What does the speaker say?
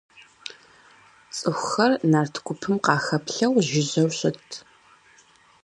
ЦӀыхухэр нарт гупым къахэплъэу жыжьэу щытт.